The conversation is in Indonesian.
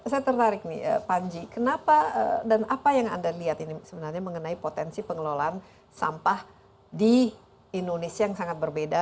saya tertarik nih panji kenapa dan apa yang anda lihat ini sebenarnya mengenai potensi pengelolaan sampah di indonesia yang sangat berbeda